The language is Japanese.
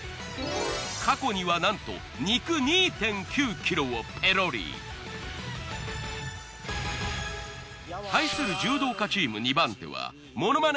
過去にはなんと肉２．９ｋｇをペロリ。対する柔道家チーム２番手はモノマネ